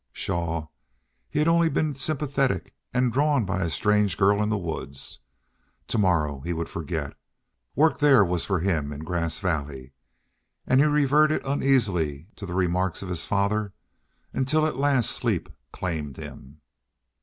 Pshaw! he had only been sympathetic and drawn by a strange girl in the woods. To morrow he would forget. Work there was for him in Grass Valley. And he reverted uneasily to the remarks of his father until at last sleep claimed him.